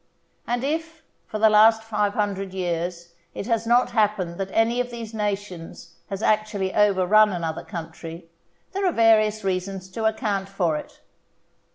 And if, for the last five hundred years, it has not happened that any of these nations has actually overrun another country, there are various reasons to account for it.